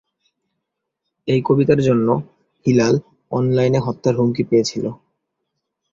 এই কবিতার জন্য হিলাল অনলাইনে হত্যার হুমকি পেয়েছিল।